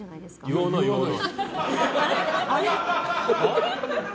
言わない、言わない！